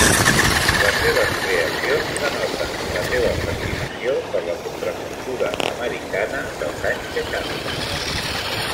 Les seves creacions denoten la seva fascinació per la contracultura americana dels anys seixanta.